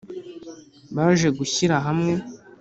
Baje gushyira hamwe